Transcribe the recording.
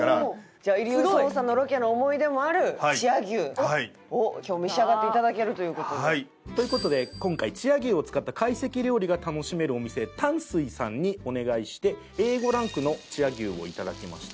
じゃあ『遺留捜査』のロケの思い出もある千屋牛を今日召し上がっていただけるという事で。という事で今回千屋牛を使った懐石料理が楽しめるお店淡粋さんにお願いしてＡ５ランクの千屋牛をいただきました。